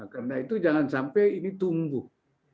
karena itu jangan sampai ini tumbuh